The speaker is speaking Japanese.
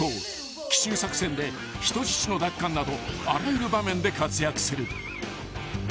［奇襲作戦で人質の奪還などあらゆる場面で活躍する］